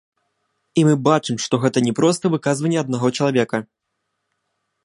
І мы бачым, што гэта не проста выказванне аднаго чалавека.